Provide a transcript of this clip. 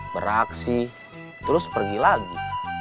beraksi terus pergi lagi